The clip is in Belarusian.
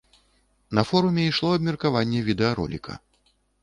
На форуме ішло абмеркаванне відэароліка.